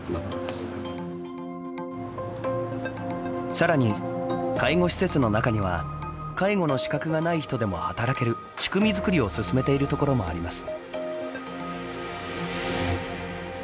さらに、介護施設の中には介護の資格がない人でも働ける仕組み作りを進めているところもあります。